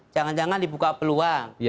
jangan jangan dibuka peluang